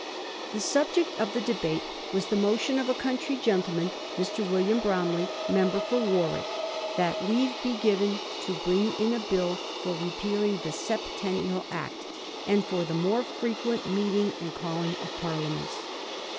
The sub ject of the debate was the motion of a country gentleman, Mr. William Bromley, member for Warwick, " that leave be given to bring in a bill for repealing the Septennial Act, and for the more frequent meeting and calling of Parliaments."